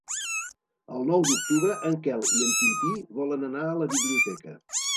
El nou d'octubre en Quel i en Quintí volen anar a la biblioteca.